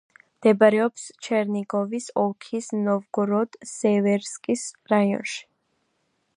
მდებარეობს ჩერნიგოვის ოლქის ნოვგოროდ-სევერსკის რაიონში.